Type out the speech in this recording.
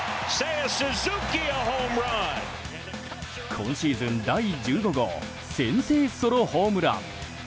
今シーズン第１５号先制ソロホームラン。